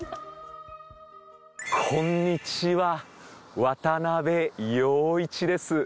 こんにちは渡部陽一です。